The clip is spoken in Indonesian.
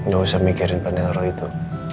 gak usah mikirin pada orang itu